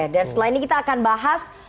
dan setelah ini kita akan bahas